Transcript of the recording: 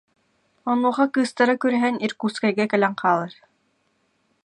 Онуоха кыыстара күрэһэн Иркутскайга кэлэн хаалар